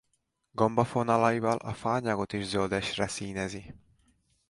Gombafonalaival a faanyagot is zöldesre színezi.